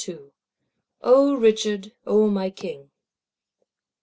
II. O Richard, O my King.